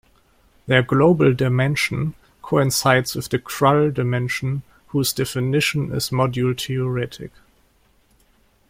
Their global dimension coincides with the Krull dimension, whose definition is module-theoretic.